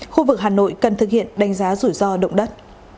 khu vực hà nội cần thực hiện đánh giá rủi ro động đất